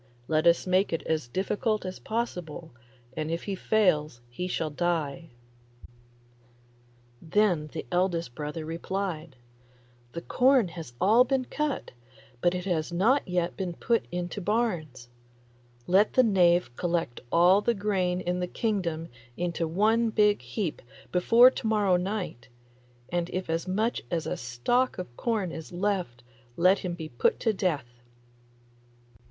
Let us make it as difficult as possible, and if he fails he shall die.' Then the eldest brother replied, 'The corn has all been cut, but it has not yet been put into barns; let the knave collect all the grain in the kingdom into one big heap before to morrow night, and if as much as a stalk of corn is left let him be put to death.